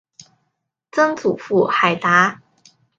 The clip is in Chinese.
曾祖父海达。